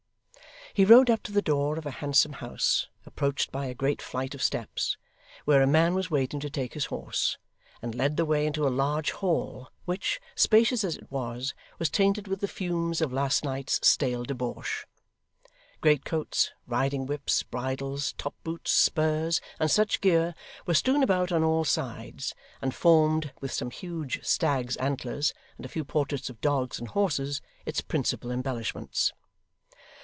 He rode up to the door of a handsome house approached by a great flight of steps, where a man was waiting to take his horse, and led the way into a large hall, which, spacious as it was, was tainted with the fumes of last night's stale debauch. Greatcoats, riding whips, bridles, top boots, spurs, and such gear, were strewn about on all sides, and formed, with some huge stags' antlers, and a few portraits of dogs and horses, its principal embellishments.